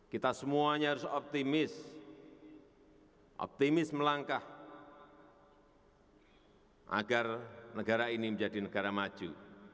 kita semuanya harus optimis optimis melangkah agar negara ini menjadi negara maju